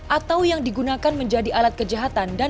atau yang digunakan menjadi alat kejahatan dan kegunaan